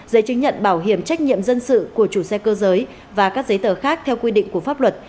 giấy chứng nhận bảo hiểm trách nhiệm dân sự của chủ xe cơ giới và các giấy tờ khác theo quy định của pháp luật